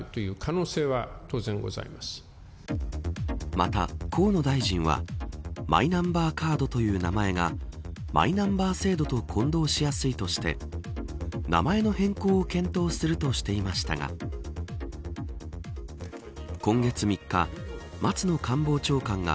また、河野大臣はマイナンバーカードという名前がマイナンバー制度と混同しやすいとして名前の変更を検討するとしていましたが今月３日、松野官房長官が